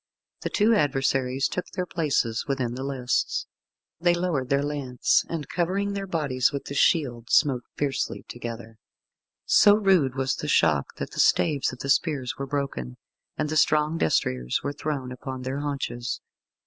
The two adversaries took their places within the lists. They lowered their lance, and covering their bodies with the shield, smote fiercely together. So rude was the shock that the staves of the spears were broken, and the strong destriers were thrown upon their haunches.